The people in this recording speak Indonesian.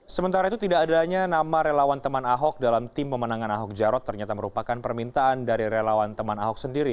sementara itu tidak adanya nama relawan teman ahok dalam tim pemenangan ahok jarot ternyata merupakan permintaan dari relawan teman ahok sendiri